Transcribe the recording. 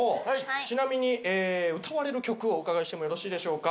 ちなみに歌われる曲をお伺いしてもよろしいでしょうか。